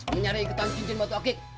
menyari ikutan cincin bantu akik